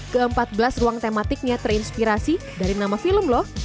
keempat belas ruang tematiknya terinspirasi dari nama film lho